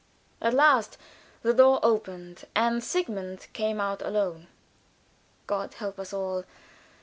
At last the door opened, and Sigmund came out alone. God help us all!